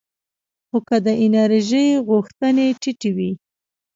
خو که د انرژۍ غوښتنې ټیټې وي